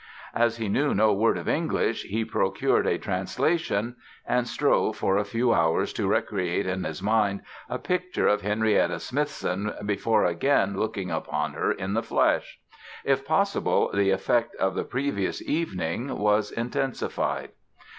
As he knew no word of English, he procured a translation and strove for a few hours to recreate in his mind a picture of Henrietta Smithson before again looking upon her in the flesh. If possible the effect of the previous evening was intensified.